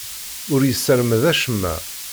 Ur yessermed acemma.